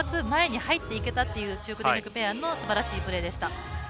前に入っていけたという中国電力ペアのすばらしいプレーでした。